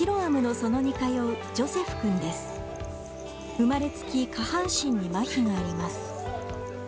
生まれつき下半身にまひがあります